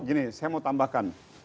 gini saya mau tambahkan